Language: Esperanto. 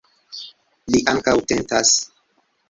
Ili ankaŭ tentas.